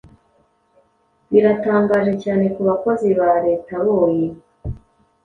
Biratangaje cyane kubakozi bareta boe